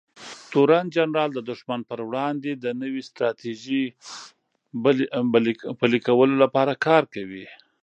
تورن جنرال د دښمن پر وړاندې د نوې ستراتیژۍ پلي کولو لپاره کار کوي.